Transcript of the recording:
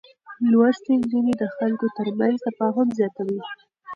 لوستې نجونې د خلکو ترمنځ تفاهم زياتوي.